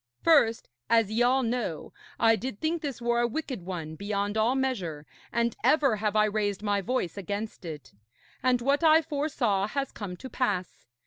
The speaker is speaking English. First, as ye all know, I did think this war a wicked one beyond all measure, and ever have I raised my voice against it. And what I foresaw has come to pass.